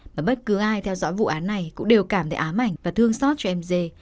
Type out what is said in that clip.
mà bất cứ ai theo dõi vụ án này cũng đều cảm thấy ám ảnh và thương xót cho em d